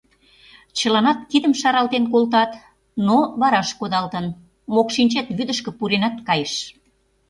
Чыланат кидым шаралтен колтат, но вараш кодалтын: мокшинчет вӱдышкӧ пуренат кайыш!